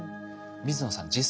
水野さん